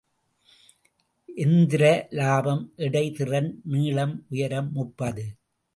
எந்திர இலாபம் எடை திறன் நீளம் உயரம் முப்பது.